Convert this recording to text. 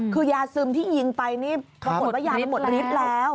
คือยาซึมที่ยิงไปนี่ปรากฏว่ายามันหมดฤทธิ์แล้ว